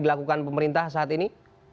dilakukan pemerintah saat ini